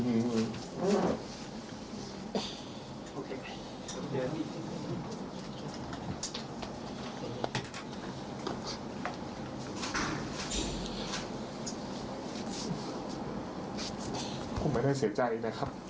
ผมไม่ได้เสียใจนะครับ